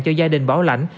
cho gia đình bảo lãnh